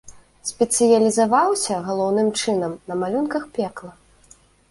Спецыялізаваўся, галоўным чынам, на малюнках пекла.